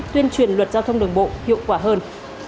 tuyên truyền luật giao thông đường bộ hiệu quả hơn